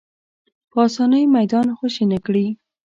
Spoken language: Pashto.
په اسانۍ میدان خوشې نه کړي